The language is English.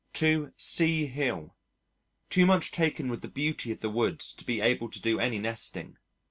To C Hill. Too much taken with the beauty of the Woods to be able to do any nesting.